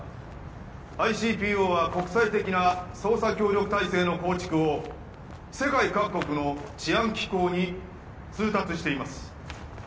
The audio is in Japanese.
ＩＣＰＯは国際的な捜査協力体制の構築を世界各国の治安機構に通達しています